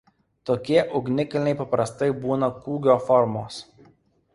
Tokie ugnikalniai paprastai būna kūgio formos.